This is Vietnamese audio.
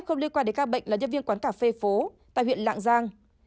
một mươi ba f liên quan đến các bệnh là nhân viên quán cà phê phố tại huyện lạng giang